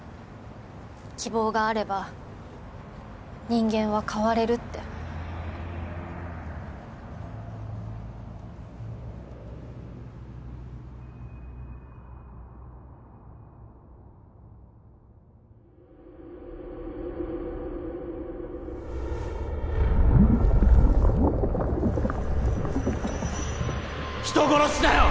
希望があれば人間は変われるって人殺しだよ